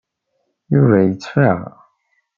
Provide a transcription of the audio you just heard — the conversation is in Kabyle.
Yuba yettfay.